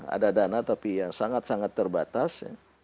ada dana tapi yang sangat sangat terbatas